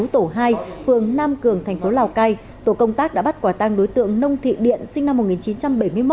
tổ hai phường nam cường thành phố lào cai tổ công tác đã bắt quả tăng đối tượng nông thị điện sinh năm một nghìn chín trăm bảy mươi một